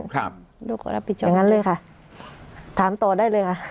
ครับอย่างนั้นเลยค่ะถามต่อได้เลยค่ะ